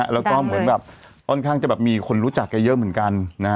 แล้วก็เหมือนแบบค่อนข้างจะแบบมีคนรู้จักแกเยอะเหมือนกัน